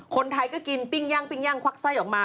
คนไทยก็กินปิ้งยั่งควักไส้ออกมา